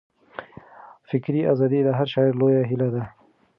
فکري ازادي د هر شاعر لویه هیله ده.